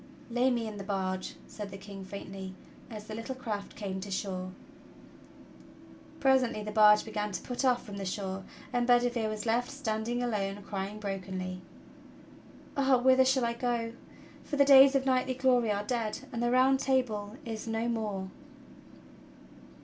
"Lay me in the barge," said the King faintly, as the little craft came to shore. Presently the barge began to put off from the shore, and 'Bedi vere was left standing alone crying brokenly: "Ah whither shall I go, for the days of knight^" glory are dead, and the Round Table is no more!"